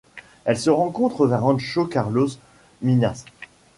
Elle se rencontre vers Rancho Carlos Minnas.